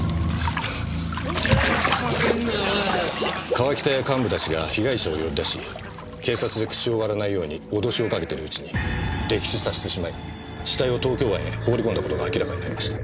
川北や幹部たちが被害者を呼び出し警察で口を割らないように脅しをかけてるうちに溺死させてしまい死体を東京湾へ放り込んだ事が明らかになりました。